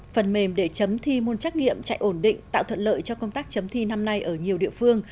phần mềm để chấm thi môn trắc nghiệm chạy ổn định tạo thuận lợi cho công tác chấm thi năm nay ở nhiều địa phương